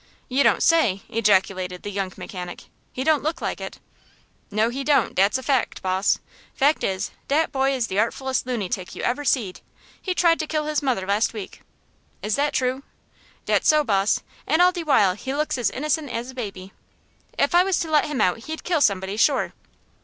"You don't say!" ejaculated the young mechanic. "He don't look like it." "No, he don't; dat's a fact, boss. Fact is, dat boy is the artfullest lunytick you ever seed. He tried to kill his mother last week." "Is that true?" "Dat's so, boss. And all de while he looks as innocent as a baby. If I was to let him out he'd kill somebody, sure."